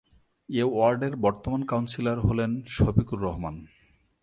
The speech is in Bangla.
এ ওয়ার্ডের বর্তমান কাউন্সিলর হলেন শফিকুর রহমান।